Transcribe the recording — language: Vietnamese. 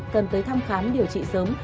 cần tới thăm khám điều trị sớm